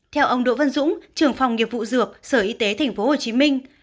theo ông đỗ văn dũng trưởng phòng nghiệp vụ dược sở y tế tp hcm